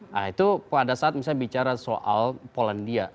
nah itu pada saat misalnya bicara soal polandia